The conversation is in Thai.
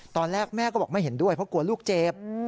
ตอนแรกแม่ก็บอกไม่เห็นด้วยเพราะกลัวลูกเจ็บ